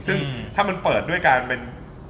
ซึ่งถ้ามันเปิดด้วยการเป็น